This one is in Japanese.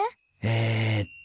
えっと。